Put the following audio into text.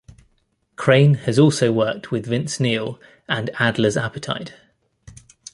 Crane has also worked with Vince Neil and Adler's Appetite.